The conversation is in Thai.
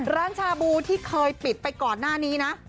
ชาบูที่เคยปิดไปก่อนหน้านี้นะ